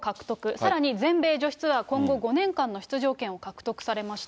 さらに全米女子ツアー、今後５年間の出場権を獲得されました。